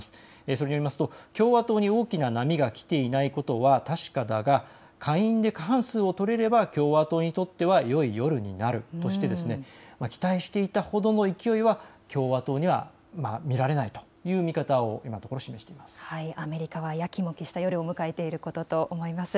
それによると共和党に大きな波が来ていないことは確かだが下院で過半数を取れれば共和党にとってはよい夜になるとして期待していたほどの勢いは共和党には見られないという見方を今のところ示しています。